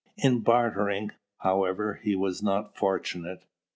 In bartering, however, he was not fortunate.